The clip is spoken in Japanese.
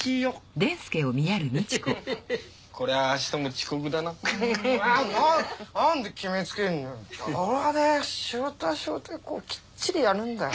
仕事は仕事でこうきっちりやるんだよ。